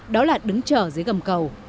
đó là đứng chờ dưới gầm cầu